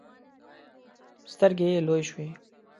سترګې يې لویې شوې.